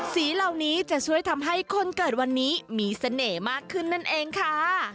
สีเหล่านี้จะช่วยทำให้คนเกิดวันนี้มีเสน่ห์มากขึ้นนั่นเองค่ะ